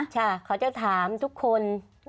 ค่ะเขาจะถามทุกคน